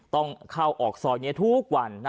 ต้องเข้าออกซอยนี้ทุกวัน